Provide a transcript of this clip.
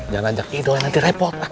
jangan ajak itu nanti repot